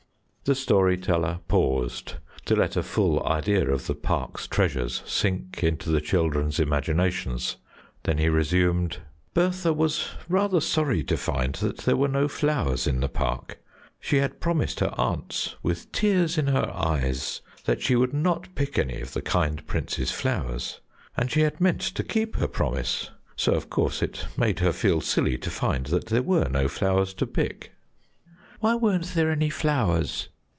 The story teller paused to let a full idea of the park's treasures sink into the children's imaginations; then he resumed: "Bertha was rather sorry to find that there were no flowers in the park. She had promised her aunts, with tears in her eyes, that she would not pick any of the kind Prince's flowers, and she had meant to keep her promise, so of course it made her feel silly to find that there were no flowers to pick." "Why weren't there any flowers?"